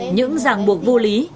những ràng buộc vô lý